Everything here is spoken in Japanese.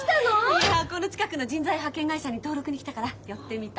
いやこの近くの人材派遣会社に登録に来たから寄ってみた。